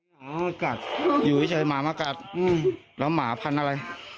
ประมาณสิบสองปีประมาณสิบสองนะ